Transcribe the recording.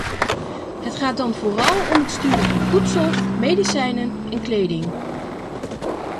Het gaat dan vooral om het sturen van voedsel, medicijnen en kleding.